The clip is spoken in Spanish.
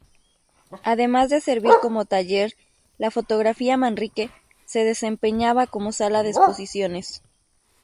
Además de servir como taller, la "Fotografía Manrique" se desempeñaba como sala de exposiciones.